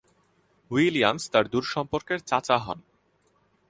Williams তার দূর সম্পর্কের চাচা হন।